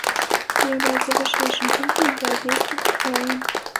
З'яўляецца вышэйшым пунктам для абедзвюх краін.